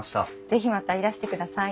是非またいらしてください。